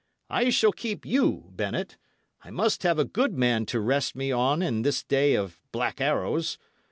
I shall keep you, Bennet. I must have a good man to rest me on in this day of black arrows.